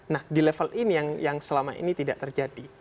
nah di level ini yang selama ini tidak terjadi